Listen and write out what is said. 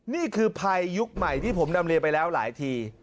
นี่คือภัยยุคใหม่ที่ผมนำเรียนไปแล้วหลายที